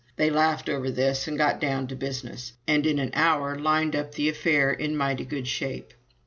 They laughed over this and got down to business, and in an hour lined up the affair in mighty good shape."